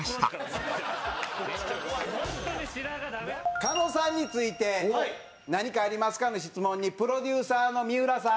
「狩野さんについて何かありますか？」の質問にプロデューサーの三浦さん。